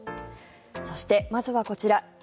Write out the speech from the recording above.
そしてまずはこちら。